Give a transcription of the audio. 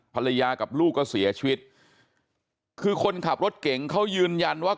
ภรรยากับลูกก็เสียชีวิตคือคนขับรถเก่งเขายืนยันว่า